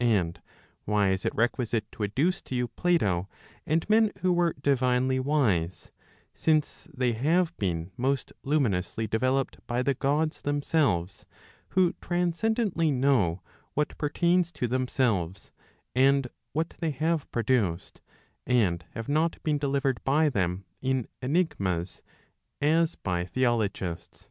And why is it requisite to adduce to you Plato, and men who were divinely wise, since they have been most luminously developed 1 by the Gods themselves, who transcendently know what pertains to themselves, and what they have produced, and have not been delivered by them in enigmas, as by theologists.